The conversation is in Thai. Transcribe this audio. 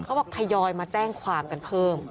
บอกทยอยมาแจ้งความกันเพิ่ม